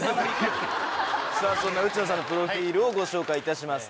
さぁそんな内野さんのプロフィルをご紹介いたします。